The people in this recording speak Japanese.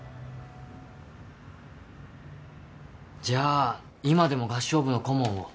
じゃあ今でも合唱部の顧問を？